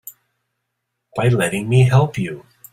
By letting me help you.